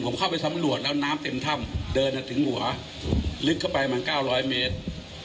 ผมเข้าไปสำรวจแล้วน้ำเต็มถ้ำเดินมาถึงหัวลึกเข้าไปมัน๙๐๐เมตร